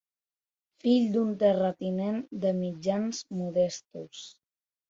Fill d'un terratinent de mitjans modestos.